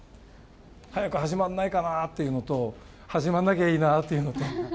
早く始まらないかなっていうのと、始まんなきゃいいなっていうのと。